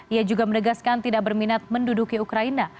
ia juga menegaskan tidak berminat menduduki ukraina